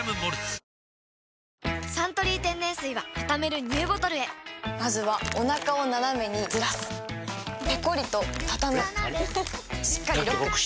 くーーーーーっ「サントリー天然水」はたためるＮＥＷボトルへまずはおなかをナナメにずらすペコリ！とたたむしっかりロック！